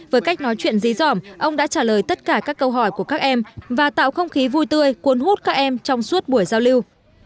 với cách nói chuyện dí dỏm ông đã trả lời tất cả các câu hỏi của các em và tạo không khí vui tươi cuốn hút các em trong suốt buổi giao lưu